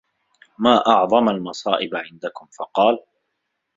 مَا أَعْظَمُ الْمَصَائِبِ عِنْدَكُمْ ؟ فَقَالَ